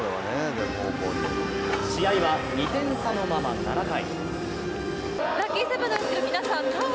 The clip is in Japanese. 試合は２点差のまま７回。